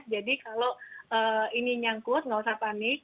jadi kalau ini nyangkut nggak usah panik